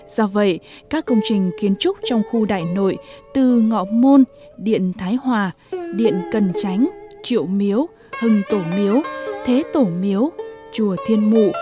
do vậy các công trình kiến trúc trong khu đại nội từ ngọn môn điện thái hòa điện cần tránh triệu miếu hưng tổ miếu thế tổ miếu chùa thiên mụ